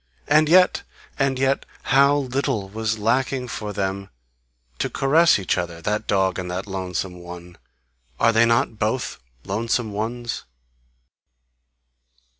And yet! And yet how little was lacking for them to caress each other, that dog and that lonesome one! Are they not both lonesome ones!"